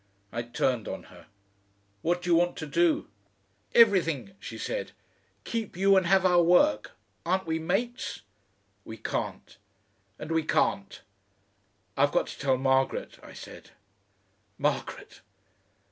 I turned on her. "What do you want to do?" "Everything," she said. "Keep you and have our work. Aren't we Mates?" "We can't." "And we can't!" "I've got to tell Margaret," I said. "Margaret!"